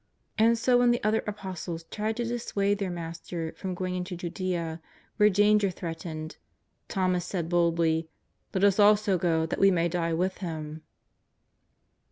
And so when the other Apostles tried to dissuade their Mas ter from going into Judea where danger threatened, Thomas said boldly :" Let us also go that we may die with Him."